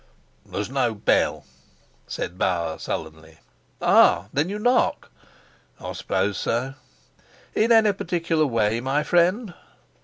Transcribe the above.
"There's no bell," said Bauer sullenly. "Ah, then you knock?" "I suppose so." "In any particular way, my friend?"